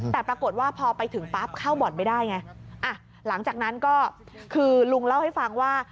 แต่ปรากฏว่าพอไปถึงปั๊บเข้าบ่อนไม่ได้ไงอ่ะหลังจากนั้นก็คือลุงเล่าให้ฟังว่า